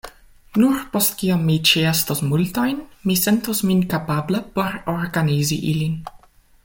Nur post kiam mi ĉeestos multajn mi sentos min kapabla por organizi ilin.